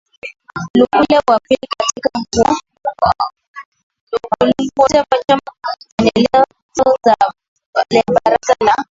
lukwele wa pili wakati huo akiwa Gungulugwa wa Choma kwa maelekezo ya Baraza la